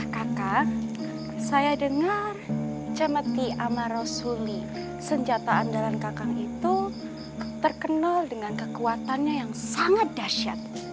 kakang saya dengar cemeti ama rasuli senjata andalan kakang itu terkenal dengan kekuatannya yang sangat dahsyat